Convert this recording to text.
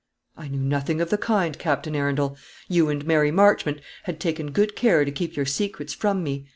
"I knew nothing of the kind, Captain Arundel; you and Mary Marchmont had taken good care to keep your secrets from me.